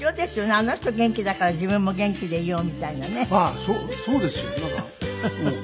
あの人元気だから自分も元気でいようみたいなね。